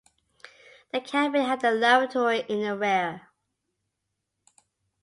The cabin had a lavatory in the rear.